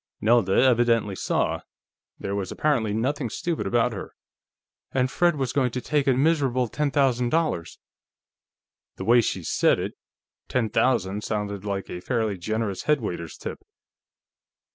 Nelda evidently saw; there was apparently nothing stupid about her. "And Fred was going to take a miserable ten thousand dollars!" The way she said it, ten thousand sounded like a fairly generous headwaiter's tip.